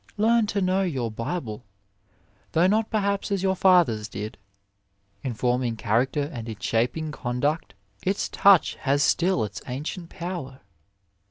Learn to know your Bible, though not perhaps as your fathers did. In forming char acter and in shaping conduct, its touch has still its ancient power.